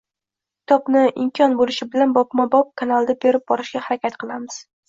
Kitobni imkon boʻlishi bilan bobma bob kanalda berib borishga harakat qilamiz.